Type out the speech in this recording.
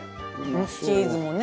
チーズもね